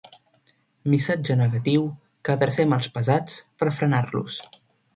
Missatge negatiu que adrecem als pesats per frenar-los.